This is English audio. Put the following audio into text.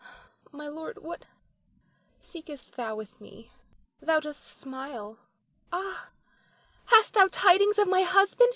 My lord, what seekest thou with me? Thou dost smile. Ah, hast thou tidings of my husband?